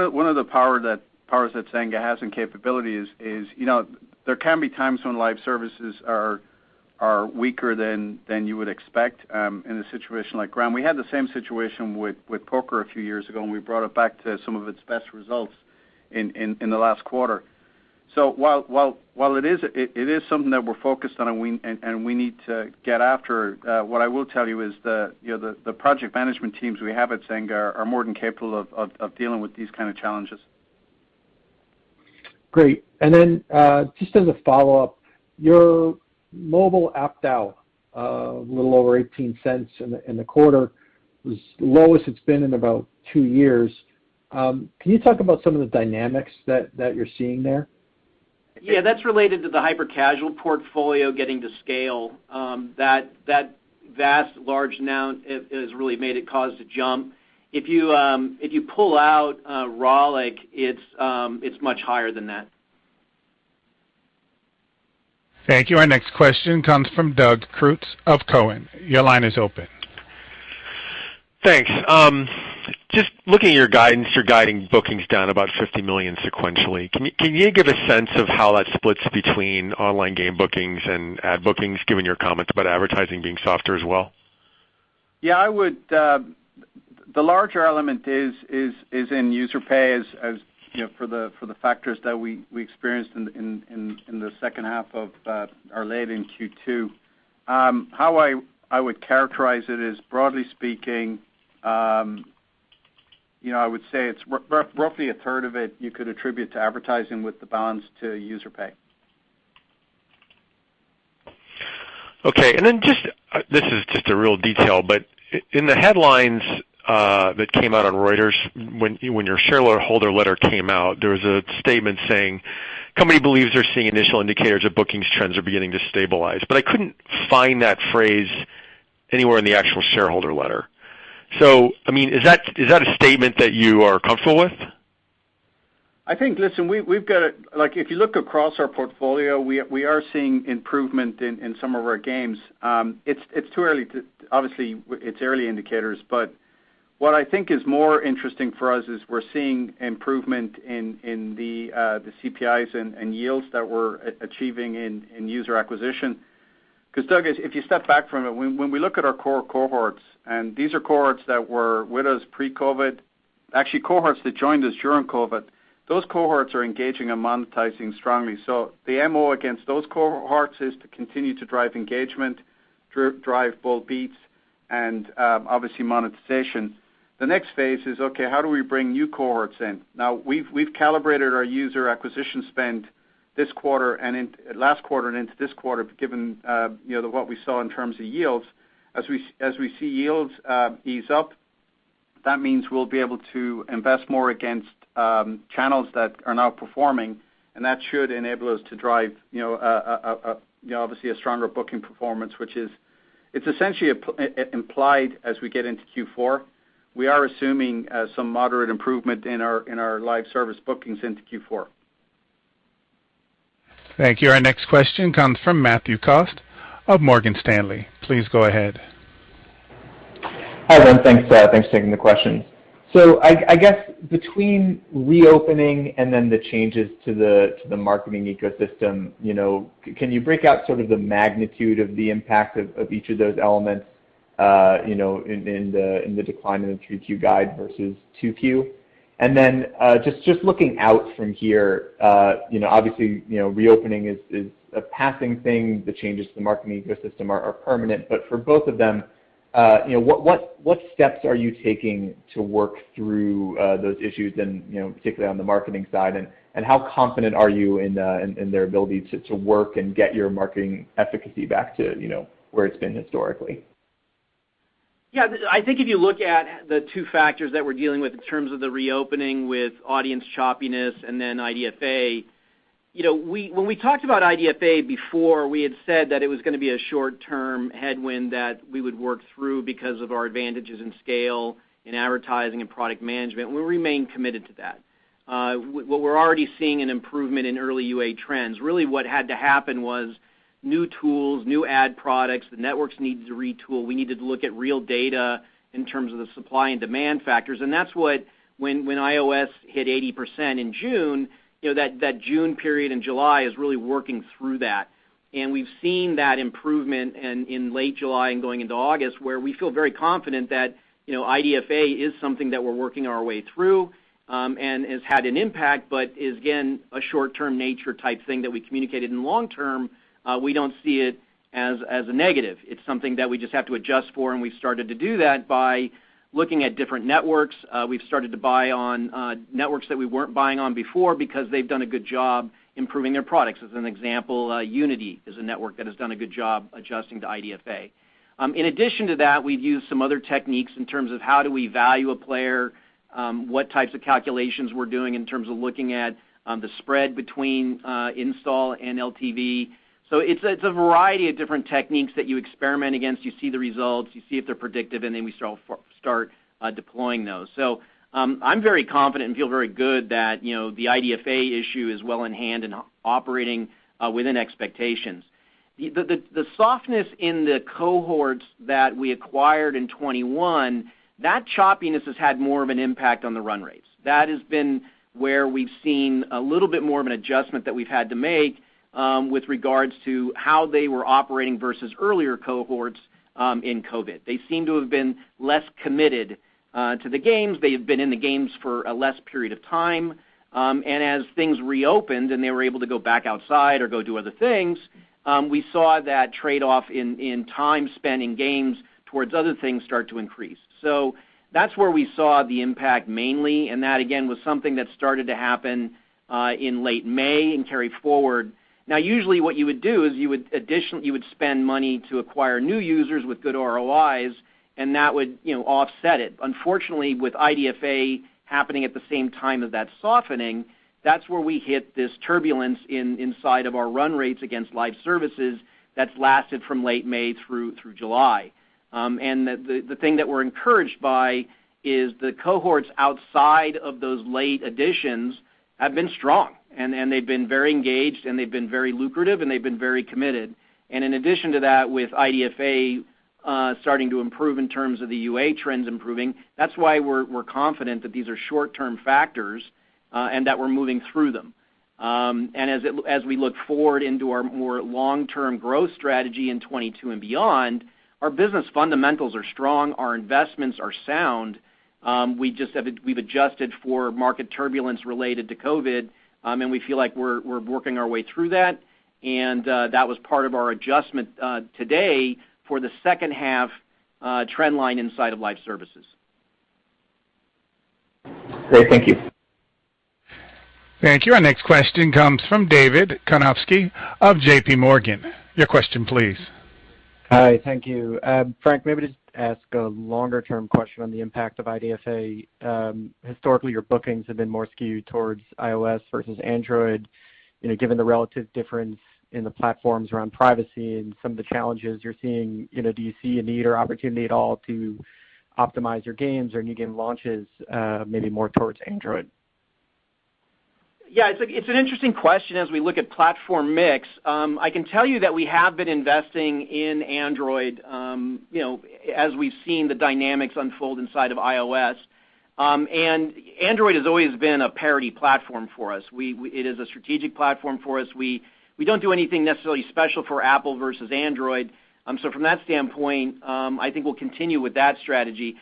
of the powers that Zynga has in capability is there can be times when live services are weaker than you would expect in a situation like Gram. We had the same situation with Poker a few years ago, and we brought it back to some of its best results in the last quarter. While it is something that we're focused on and we need to get after, what I will tell you is the project management teams we have at Zynga are more than capable of dealing with these kind of challenges. Great. Just as a follow-up, your mobile ARPDAU, a little over $0.18 in the quarter, was the lowest it's been in about 2 years. Can you talk about some of the dynamics that you're seeing there? Yeah, that's related to the hyper-casual portfolio getting to scale. That vast large amount has really made it cause the jump. If you pull out Rollic, it's much higher than that. Thank you. Our next question comes from Doug Creutz of Cowen. Your line is open. Thanks. Just looking at your guidance, you're guiding bookings down about $50 million sequentially. Can you give a sense of how that splits between online game bookings and ad bookings, given your comments about advertising being softer as well? Yeah. The larger element is in user pay for the factors that we experienced in the second half of or late in Q2. How I would characterize it is, broadly speaking, I would say it is roughly a third of it you could attribute to advertising with the balance to user pay. This is just a real detail, but in the headlines that came out on Reuters when your shareholder letter came out, there was a statement saying, "Company believes they're seeing initial indicators of bookings trends are beginning to stabilize." I couldn't find that phrase anywhere in the actual shareholder letter. Is that a statement that you are comfortable with? I think, listen, if you look across our portfolio, we are seeing improvement in some of our games. Obviously it's early indicators. What I think is more interesting for us is we're seeing improvement in the CPIs and yields that we're achieving in user acquisition. Doug, if you step back from it, when we look at our core cohorts, and these are cohorts that were with us pre-COVID, actually cohorts that joined us during COVID, those cohorts are engaging and monetizing strongly. The MO against those cohorts is to continue to drive engagement, drive Bold Beats and obviously monetization. The next phase is, okay, how do we bring new cohorts in? We've calibrated our user acquisition spend last quarter and into this quarter, given what we saw in terms of yields. As we see yields ease up, that means we'll be able to invest more against channels that are now performing, that should enable us to drive obviously a stronger booking performance, which is essentially implied as we get into Q4. We are assuming some moderate improvement in our live service bookings into Q4. Thank you. Our next question comes from Matthew Cost of Morgan Stanley. Please go ahead. Hi, everyone. Thanks for taking the question. I guess between reopening and then the changes to the marketing ecosystem, can you break out sort of the magnitude of the impact of each of those elements in the decline in the 3Q guide versus 2Q? Just looking out from here, obviously reopening is a passing thing. The changes to the marketing ecosystem are permanent. For both of them what steps are you taking to work through those issues and particularly on the marketing side, and how confident are you in their ability to work and get your marketing efficacy back to where it's been historically? Yeah. I think if you look at the two factors that we're dealing with in terms of the reopening with audience choppiness and then IDFA, when we talked about IDFA before, we had said that it was going to be a short-term headwind that we would work through because of our advantages in scale, in advertising and product management. We remain committed to that. What we're already seeing an improvement in early UA trends, really what had to happen was new tools, new ad products, the networks needed to retool. We needed to look at real data in terms of the supply and demand factors. When iOS hit 80% in June, that June period and July is really working through that. We've seen that improvement in late July and going into August where we feel very confident that IDFA is something that we're working our way through and has had an impact, but is again, a short-term nature type thing that we communicated in long term. We don't see it as a negative. It's something that we just have to adjust for, and we've started to do that by looking at different networks. We've started to buy on networks that we weren't buying on before because they've done a good job improving their products. As an example, Unity is a network that has done a good job adjusting to IDFA. In addition to that, we've used some other techniques in terms of how do we value a player, what types of calculations we're doing in terms of looking at the spread between install and LTV. It's a variety of different techniques that you experiment against. You see the results, you see if they're predictive, we start deploying those. I'm very confident and feel very good that the IDFA issue is well in hand and operating within expectations. The softness in the cohorts that we acquired in 2021, that choppiness has had more of an impact on the run rates. That has been where we've seen a little bit more of an adjustment that we've had to make with regards to how they were operating versus earlier cohorts in COVID. They seem to have been less committed to the games. They have been in the games for a less period of time. As things reopened and they were able to go back outside or go do other things, we saw that trade-off in time spent in games towards other things start to increase. That's where we saw the impact mainly, and that again, was something that started to happen in late May and carried forward. Usually what you would do is you would spend money to acquire new users with good ROIs, and that would offset it. Unfortunately, with IDFA happening at the same time as that softening, that's where we hit this turbulence inside of our run rates against live services that's lasted from late May through July. The thing that we're encouraged by is the cohorts outside of those late additions have been strong, and they've been very engaged, and they've been very lucrative, and they've been very committed. In addition to that, with IDFA starting to improve in terms of the UA trends improving, that's why we're confident that these are short-term factors and that we're moving through them. As we look forward into our more long-term growth strategy in 2022 and beyond, our business fundamentals are strong. Our investments are sound. We've adjusted for market turbulence related to COVID, and we feel like we're working our way through that. That was part of our adjustment today for the second half trend line inside of live services. Great. Thank you. Thank you. Our next question comes from David Karnovsky of J.P. Morgan. Your question, please. Hi. Thank you. Frank, maybe to ask a longer-term question on the impact of IDFA. Historically, your bookings have been more skewed towards iOS versus Android. Given the relative difference in the platforms around privacy and some of the challenges you're seeing, do you see a need or opportunity at all to optimize your games or new game launches maybe more towards Android? Yeah. It is an interesting question as we look at platform mix. I can tell you that we have been investing in Android as we've seen the dynamics unfold inside of iOS. Android has always been a parity platform for us. It is a strategic platform for us. We don't do anything necessarily special for Apple versus Android. From that standpoint, I think we'll continue with that strategy.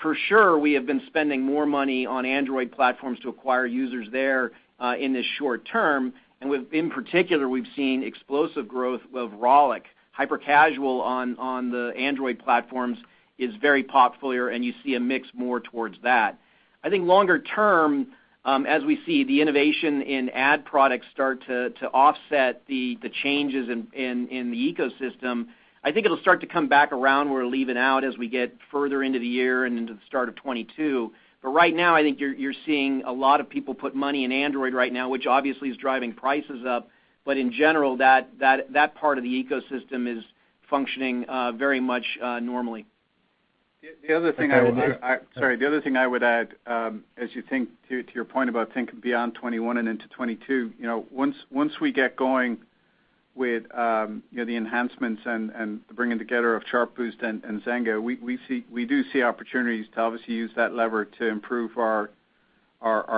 For sure, we have been spending more money on Android platforms to acquire users there in the short term, and in particular, we've seen explosive growth of Rollic. Hyper-casual on the Android platforms is very popular, and you see a mix more towards that. I think longer term, as we see the innovation in ad products start to offset the changes in the ecosystem, I think it'll start to come back around where we're leaving out as we get further into the year and into the start of 2022. Right now, I think you're seeing a lot of people put money in Android right now, which obviously is driving prices up, but in general, that part of the ecosystem is functioning very much normally. Okay. Sorry, the other thing I would add, as you think to your point about thinking beyond 2021 and into 2022, once we get going with the enhancements and the bringing together of Chartboost and Zynga, we do see opportunities to obviously use that lever to improve our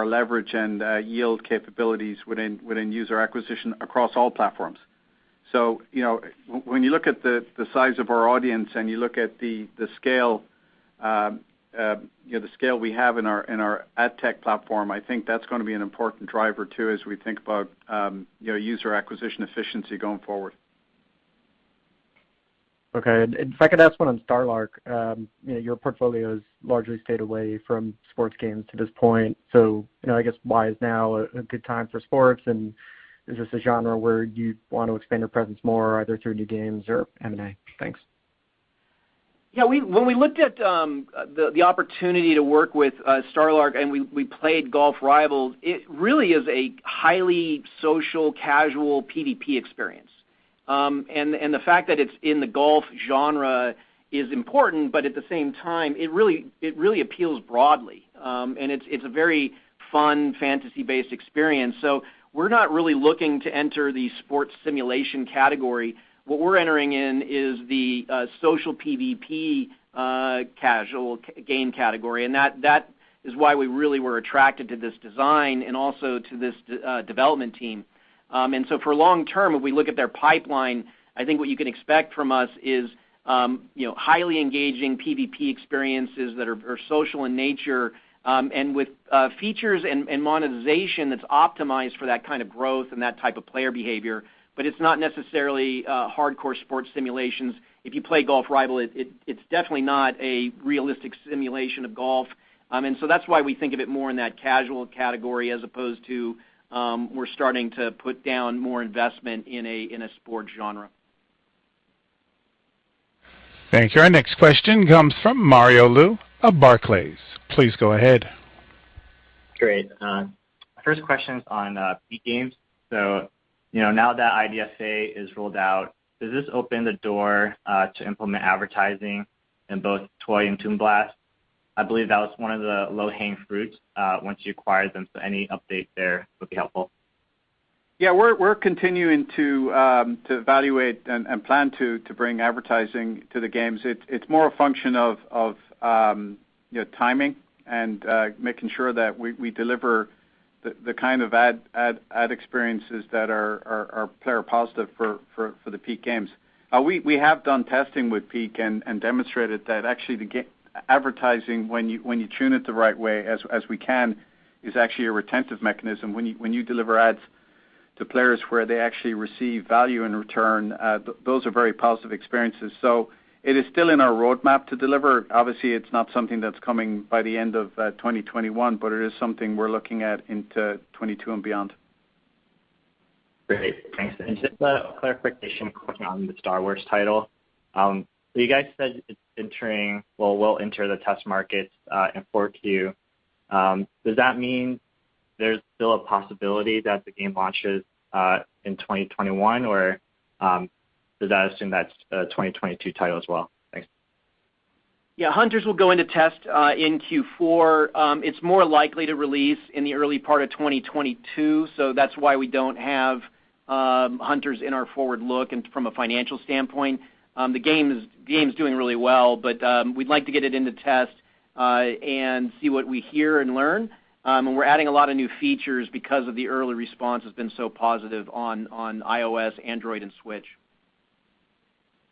leverage and yield capabilities within user acquisition across all platforms. When you look at the size of our audience and you look at the scale we have in our ad tech platform, I think that's going to be an important driver, too, as we think about user acquisition efficiency going forward. Okay. If I could ask one on StarLark. Your portfolio's largely stayed away from sports games to this point. I guess why is now a good time for sports, and is this a genre where you want to expand your presence more, either through new games or M&A? Thanks. When we looked at the opportunity to work with StarLark and we played Golf Rival, it really is a highly social, casual PVP experience. The fact that it's in the golf genre is important, but at the same time, it really appeals broadly. It's a very fun fantasy-based experience. We're not really looking to enter the sports simulation category. What we're entering in is the social PVP casual game category, and that is why we really were attracted to this design and also to this development team. For long term, if we look at their pipeline, I think what you can expect from us is highly engaging PVP experiences that are social in nature, and with features and monetization that's optimized for that kind of growth and that type of player behavior. It's not necessarily hardcore sports simulations. If you play Golf Rival, it's definitely not a realistic simulation of golf. That's why we think of it more in that casual category as opposed to we're starting to put down more investment in a sports genre. Thank you. Our next question comes from Mario Lu of Barclays. Please go ahead. Great. First question's on Peak. Now that IDFA is rolled out, does this open the door to implement advertising in both Toy and Toon Blast? I believe that was one of the low-hanging fruits once you acquired them, so any update there would be helpful. Yeah, we're continuing to evaluate and plan to bring advertising to the games. It's more a function of timing and making sure that we deliver the kind of ad experiences that are player positive for the Peak games. We have done testing with Peak and demonstrated that actually the advertising, when you tune it the right way, as we can, is actually a retentive mechanism. When you deliver ads to players where they actually receive value in return, those are very positive experiences. It is still in our roadmap to deliver. Obviously, it's not something that's coming by the end of 2021, but it is something we're looking at into 2022 and beyond. Great. Thanks. Just a clarification point on the Star Wars title. You guys said it will enter the test markets in 4Q. Does that mean there's still a possibility that the game launches in 2021, or did I assume that's a 2022 title as well? Thanks. Yeah, Hunters will go into test in Q4. It's more likely to release in the early part of 2022, so that's why we don't have Hunters in our forward look and from a financial standpoint. The game's doing really well, but we'd like to get it into test and see what we hear and learn. And we're adding a lot of new features because of the early response has been so positive on iOS, Android, and Switch.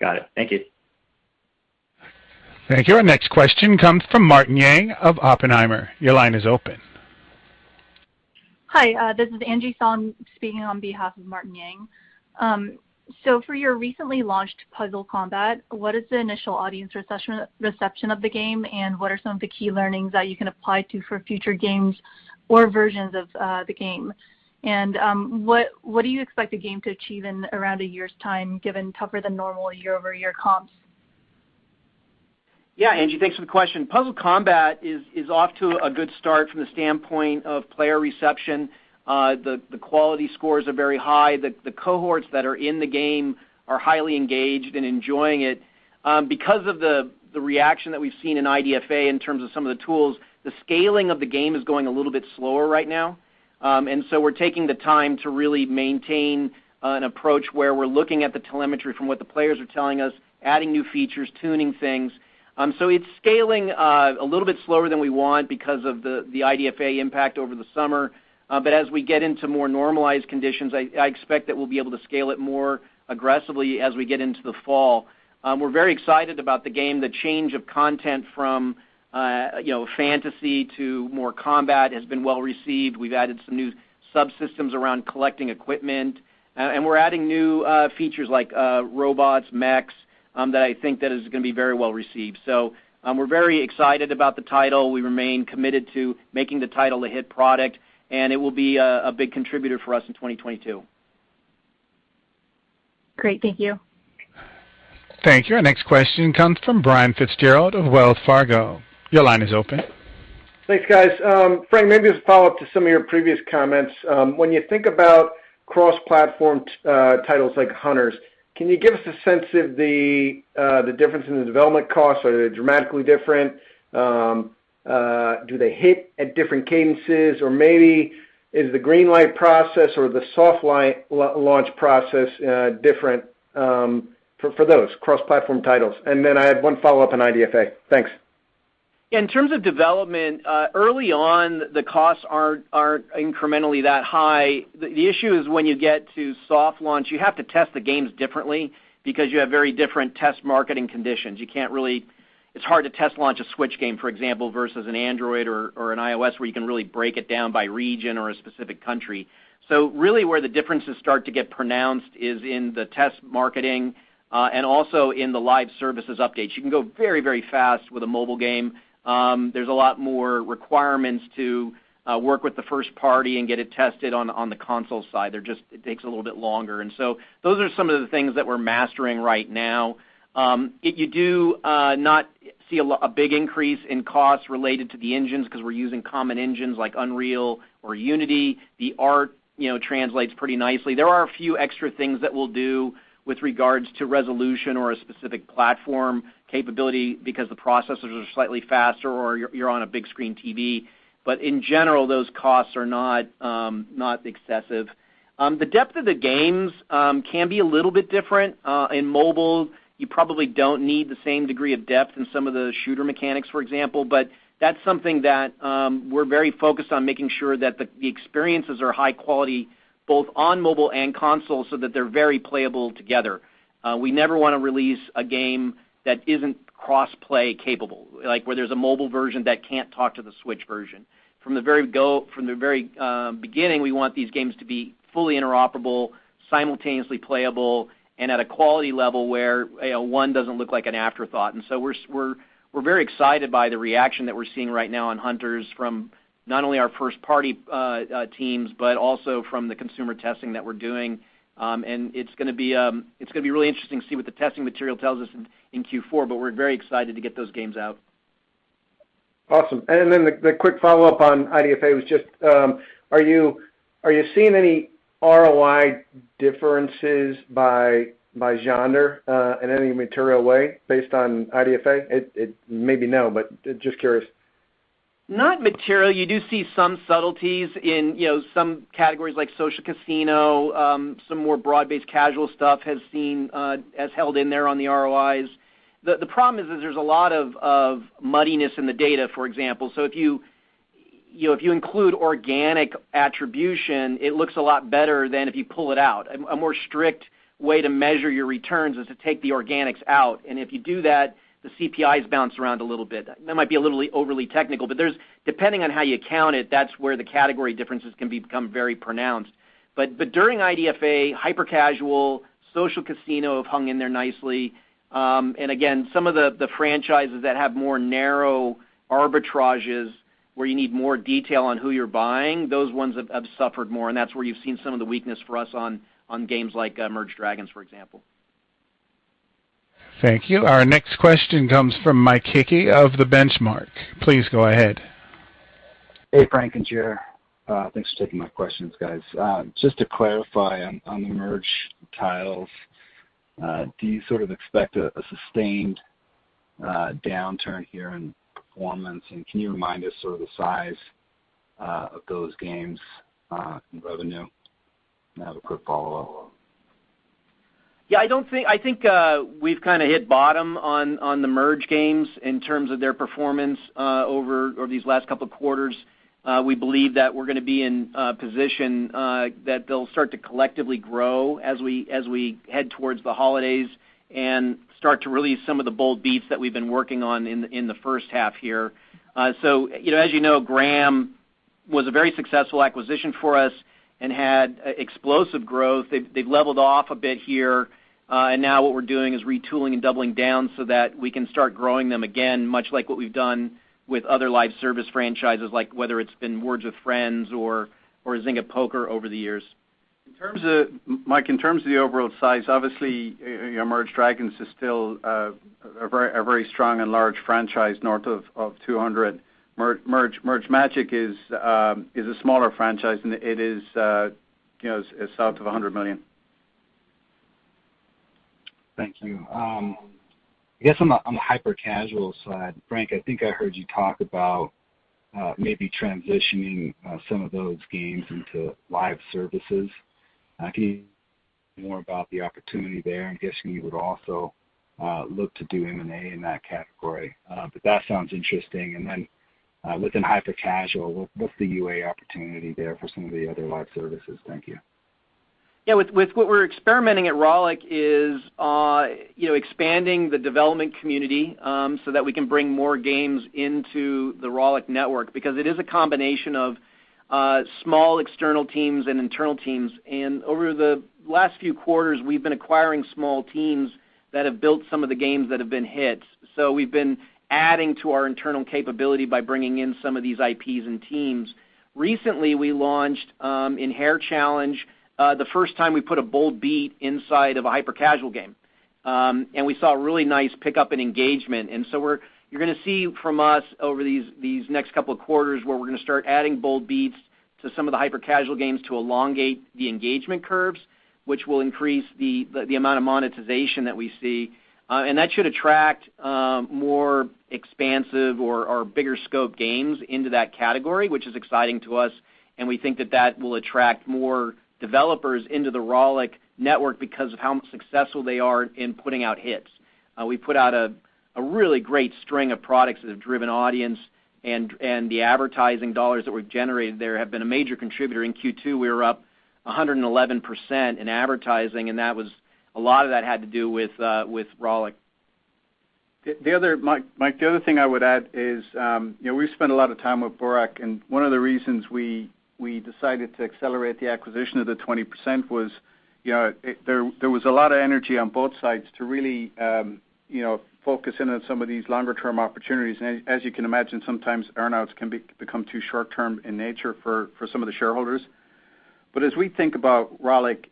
Got it. Thank you. Thank you. Our next question comes from Martin Yang of Oppenheimer. Your line is open. Hi, this is Angie Song speaking on behalf of Martin Yang. For your recently launched Puzzle Combat, what is the initial audience reception of the game, and what are some of the key learnings that you can apply to for future games or versions of the game? What do you expect the game to achieve in around a year's time, given tougher than normal year-over-year comps? Yeah, Angie Song, thanks for the question. Puzzle Combat is off to a good start from the standpoint of player reception. The quality scores are very high. The cohorts that are in the game are highly engaged and enjoying it. Because of the reaction that we've seen in IDFA in terms of some of the tools, the scaling of the game is going a little bit slower right now. We're taking the time to really maintain an approach where we're looking at the telemetry from what the players are telling us, adding new features, tuning things. It's scaling a little bit slower than we want because of the IDFA impact over the summer. As we get into more normalized conditions, I expect that we'll be able to scale it more aggressively as we get into the fall. We're very excited about the game. The change of content from fantasy to more combat has been well received. We've added some new subsystems around collecting equipment. We're adding new features like robots, mechs, that I think that is going to be very well received. We're very excited about the title. We remain committed to making the title a hit product, and it will be a big contributor for us in 2022. Great. Thank you. Thank you. Our next question comes from Brian Fitzgerald of Wells Fargo. Your line is open. Thanks, guys. Frank, maybe this is a follow-up to some of your previous comments. When you think about cross-platform titles like Hunters, can you give us a sense of the difference in the development costs? Are they dramatically different? Do they hit at different cadences, or maybe is the green light process or the soft launch process different for those cross-platform titles? Then I had one follow-up on IDFA. Thanks. In terms of development, early on, the costs aren't incrementally that high. The issue is when you get to soft launch, you have to test the games differently because you have very different test marketing conditions. It's hard to test launch a Switch, for example, versus an Android or an iOS where you can really break it down by region or a specific country. Really where the differences start to get pronounced is in the test marketing, and also in the live services updates. You can go very fast with a mobile game. There's a lot more requirements to work with the first party and get it tested on the console side. It takes a little bit longer. Those are some of the things that we're mastering right now. You do not see a big increase in costs related to the engines because we're using common engines like Unreal or Unity. The art translates pretty nicely. There are a few extra things that we'll do with regards to resolution or a specific platform capability because the processors are slightly faster or you're on a big screen TV. In general, those costs are not excessive. The depth of the games can be a little bit different. In mobile, you probably don't need the same degree of depth in some of the shooter mechanics, for example. That's something that we're very focused on making sure that the experiences are high quality, both on mobile and console, so that they're very playable together. We never want to release a game that isn't cross-play capable, like where there's a mobile version that can't talk to the Switch version. From the very beginning, we want these games to be fully interoperable, simultaneously playable, and at a quality level where one doesn't look like an afterthought. We're very excited by the reaction that we're seeing right now on Hunters from not only our first-party teams, but also from the consumer testing that we're doing. It's going to be really interesting to see what the testing material tells us in Q4. We're very excited to get those games out. Awesome. The quick follow-up on IDFA was just, are you seeing any ROI differences by genre in any material way based on IDFA? It may be no, but just curious. Not material. You do see some subtleties in some categories like Social Casino. Some more broad-based casual stuff has held in there on the ROIs. The problem is there's a lot of muddiness in the data, for example. If you include organic attribution, it looks a lot better than if you pull it out. A more strict way to measure your returns is to take the organics out, and if you do that, the CPIs bounce around a little bit. That might be a little overly technical, depending on how you count it, that's where the category differences can become very pronounced. During IDFA, hyper-casual, Social Casino have hung in there nicely. Again, some of the franchises that have more narrow arbitrages where you need more detail on who you're buying, those ones have suffered more, and that's where you've seen some of the weakness for us on games like Merge Dragons!, for example. Thank you. Our next question comes from Mike Hickey of The Benchmark. Please go ahead. Hey, Frank and Ger. Thanks for taking my questions, guys. Just to clarify on the Merge titles, do you sort of expect a sustained downturn here in performance, and can you remind us sort of the size of those games in revenue? I have a quick follow-up. I think we've kind of hit bottom on the Merge games in terms of their performance over these last couple of quarters. We believe that we're going to be in a position that they'll start to collectively grow as we head towards the holidays and start to release some of the Bold Beats that we've been working on in the first half here. As you know, Gram Games was a very successful acquisition for us and had explosive growth. They've leveled off a bit here. Now what we're doing is retooling and doubling down so that we can start growing them again, much like what we've done with other live service franchises, like whether it's been Words With Friends or Zynga Poker over the years. Mike, in terms of the overall size, obviously, Merge Dragons! is still a very strong and large franchise, north of $200 million. Merge Magic! is a smaller franchise, and it is south of $100 million. Thank you. I guess on the hyper-casual side, Frank, I think I heard you talk about maybe transitioning some of those games into live services. Can you tell me more about the opportunity there, and guessing you would also look to do M&A in that category? That sounds interesting. Within hyper-casual, what's the UA opportunity there for some of the other live services? Thank you. Yeah. With what we're experimenting at Rollic is expanding the development community so that we can bring more games into the Rollic network because it is a combination of small external teams and internal teams. Over the last few quarters, we've been acquiring small teams that have built some of the games that have been hits. We've been adding to our internal capability by bringing in some of these IPs and teams. Recently, we launched in Hair Challenge, the first time we put a Bold Beat inside of a hyper-casual game. We saw a really nice pickup in engagement. You're going to see from us over these next couple of quarters where we're going to start adding Bold Beats to some of the hyper-casual games to elongate the engagement curves, which will increase the amount of monetization that we see. That should attract more expansive or bigger scope games into that category, which is exciting to us, and we think that that will attract more developers into the Rollic network because of how successful they are in putting out hits. We put out a really great string of products that have driven audience and the advertising dollars that we've generated there have been a major contributor. In Q2, we were up 111% in advertising, and a lot of that had to do with Rollic. Mike, the other thing I would add is we've spent a lot of time with Burak, one of the reasons we decided to accelerate the acquisition of the 20% was there was a lot of energy on both sides to really focus in on some of these longer-term opportunities. As you can imagine, sometimes earn-outs can become too short-term in nature for some of the shareholders. As we think about Rollic,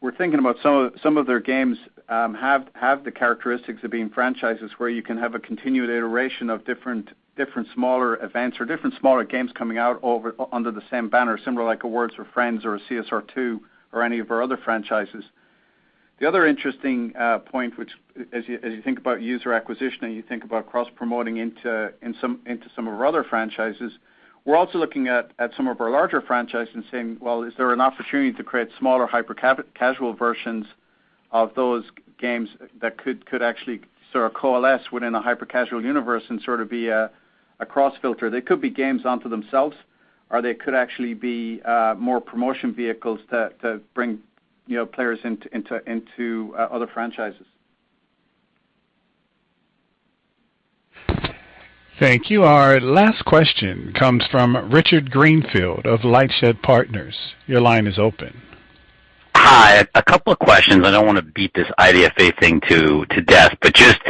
we're thinking about some of their games have the characteristics of being franchises where you can have a continued iteration of different smaller events or different smaller games coming out under the same banner, similar like a Words With Friends or a CSR2 or any of our other franchises. The other interesting point, as you think about user acquisition and you think about cross-promoting into some of our other franchises, we're also looking at some of our larger franchises and saying, well, is there an opportunity to create smaller hyper-casual versions of those games that could actually sort of coalesce within a hyper-casual universe and sort of be a cross-filter. They could be games onto themselves, or they could actually be more promotion vehicles to bring players into other franchises. Thank you. Our last question comes from Richard Greenfield of LightShed Partners. Your line is open. Hi. A couple of questions. I don't want to beat this IDFA thing to death, but just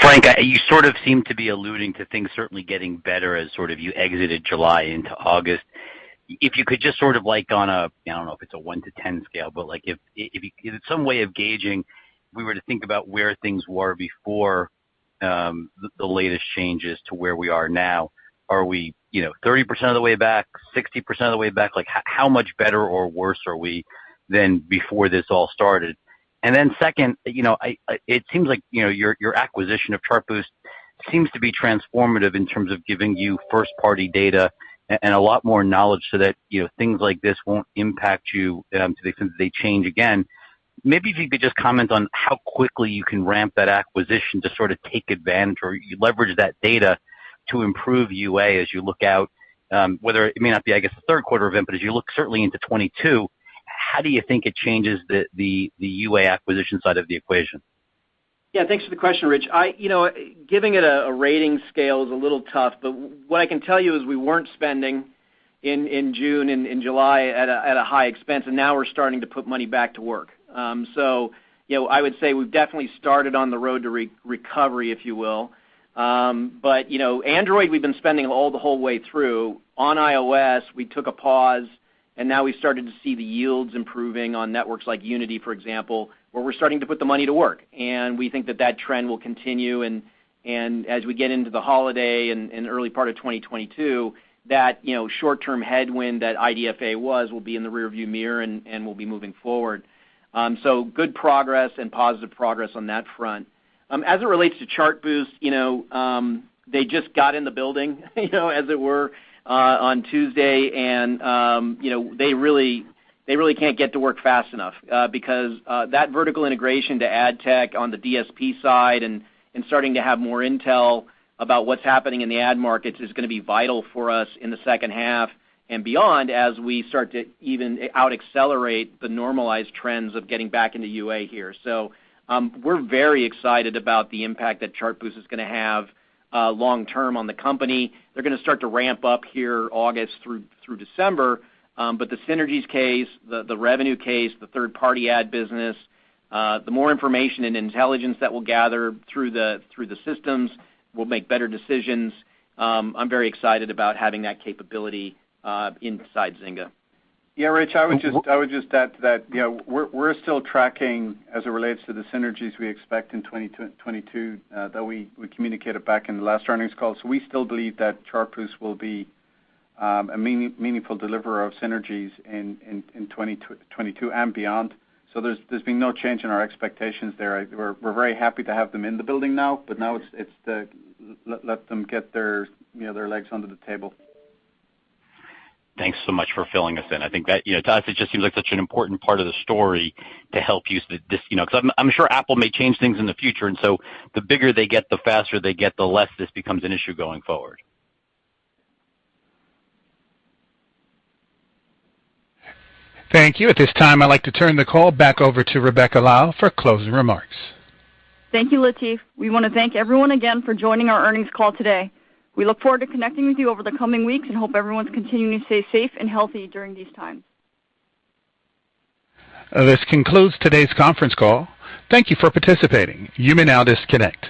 Frank, you sort of seem to be alluding to things certainly getting better as sort of you exited July into August. If you could just sort of like on a, I don't know if it's a 1 to 10 scale, but if some way of gauging, if we were to think about where things were before the latest changes to where we are now, are we 30% of the way back, 60% of the way back? How much better or worse are we than before this all started? Second, it seems like your acquisition of Chartboost seems to be transformative in terms of giving you first-party data and a lot more knowledge so that things like this won't impact you to the extent that they change again. Maybe if you could just comment on how quickly you can ramp that acquisition to sort of take advantage or leverage that data to improve UA as you look out, whether it may not be, I guess, the third quarter of input, as you look certainly into 2022, how do you think it changes the UA acquisition side of the equation? Yeah, thanks for the question, Rich. Giving it a rating scale is a little tough, but what I can tell you is we weren't spending in June and in July at a high expense, and now we're starting to put money back to work. I would say we've definitely started on the road to recovery, if you will. Android, we've been spending all the whole way through. On iOS, we took a pause, and now we've started to see the yields improving on networks like Unity, for example, where we're starting to put the money to work. We think that that trend will continue and as we get into the holiday and early part of 2022, that short-term headwind that IDFA was will be in the rearview mirror and we'll be moving forward. Good progress and positive progress on that front. As it relates to Chartboost, they just got in the building as it were on Tuesday, and they really can't get to work fast enough because that vertical integration to ad tech on the DSP side and starting to have more intel about what's happening in the ad markets is going to be vital for us in the second half and beyond as we start to even out accelerate the normalized trends of getting back into UA here. We're very excited about the impact that Chartboost is going to have long term on the company. They're going to start to ramp up here August through December, but the synergies case, the revenue case, the third-party ad business the more information and intelligence that we'll gather through the systems, we'll make better decisions. I'm very excited about having that capability inside Zynga. Yeah, Rich, I would just add to that we're still tracking as it relates to the synergies we expect in 2022 that we communicated back in the last earnings call. We still believe that Chartboost will be a meaningful deliverer of synergies in 2022 and beyond. There's been no change in our expectations there. We're very happy to have them in the building now, but now it's let them get their legs under the table. Thanks so much for filling us in. I think that to us it just seems like such an important part of the story to help use this because I'm sure Apple may change things in the future, and so the bigger they get, the faster they get, the less this becomes an issue going forward. Thank you. At this time, I'd like to turn the call back over to Rebecca Lau for closing remarks. Thank you, Latif. We want to thank everyone again for joining our earnings call today. We look forward to connecting with you over the coming weeks and hope everyone's continuing to stay safe and healthy during these times. This concludes today's conference call. Thank you for participating. You may now disconnect.